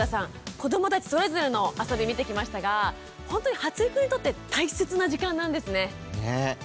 子どもたちそれぞれのあそび見てきましたがほんとに発育にとって大切な時間なんですね。ね！